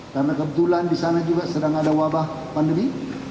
karena kebetulan di sana juga sedang ada wabah pandemi